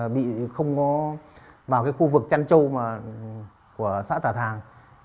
bị không có vào khu vực chăn châu của xã tà thàng